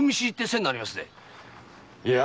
いや。